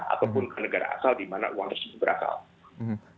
ataupun ke negara asal di mana uangnya sudah berasal